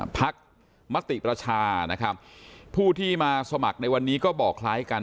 พักมติประชานะครับผู้ที่มาสมัครในวันนี้ก็บอกคล้ายกัน